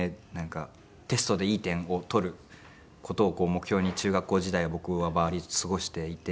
テストでいい点を取る事を目標に中学校時代僕は過ごしていて。